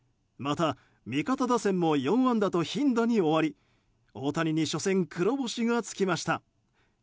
また、味方打線も４安打と貧打に終わり大谷に初戦黒星が付きました。